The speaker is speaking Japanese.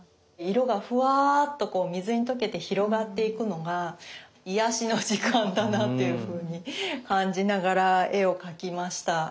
色がふわっとこう水に溶けて広がっていくのが癒やしの時間だなというふうに感じながら絵を描きました。